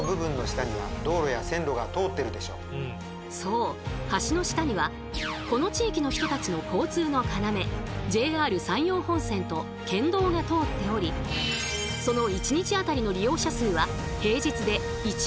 そう橋の下にはこの地域の人たちの交通の要ＪＲ山陽本線と県道が通っておりそう！